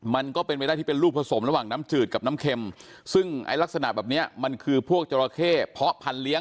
มันก็เป็นไปได้ที่เป็นลูกผสมระหว่างน้ำจืดกับน้ำเค็มซึ่งไอ้ลักษณะแบบเนี้ยมันคือพวกจราเข้เพาะพันธุเลี้ย